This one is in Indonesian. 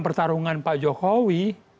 pertarungan pak jokowi